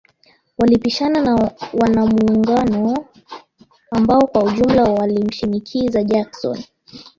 Walipishana na wanamuungano ambao kwa ujumla walimshinikiza Jackson